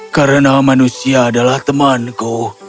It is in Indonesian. karena manusia adalah temanku